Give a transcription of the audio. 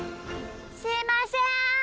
すいません！